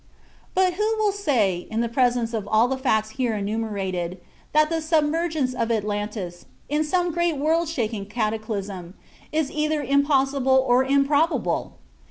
But who will say, in the presence of all the facts here enumerated, that the submergence of Atlantis, in some great world shaking cataclysm, is either impossible or improbable?